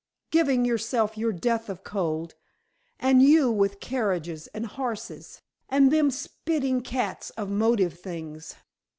"Giving yourself your death of cold, and you with carriages and horses, and them spitting cats of motive things.